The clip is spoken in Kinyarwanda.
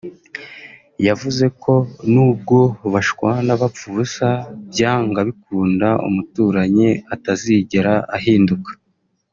yavuze ko nubwo bashwana bapfa ubusa byanga bikunda umuturanyi atazigera ahinduka